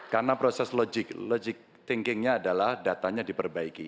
karena proses logic thinkingnya adalah datanya diperbaiki